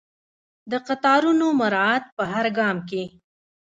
د قطارونو مراعات په هر ګام کې.